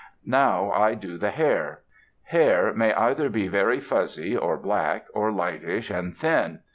Now I do the hair. Hair may either be very fuzzy or black, or lightish and thin.